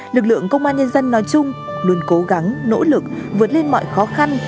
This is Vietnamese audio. lực lượng công an nhân dân nói chung luôn cố gắng nỗ lực vượt lên mọi khó khăn